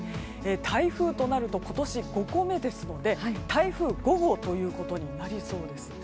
台風となると今年５個目ですので台風５号ということになりそうです。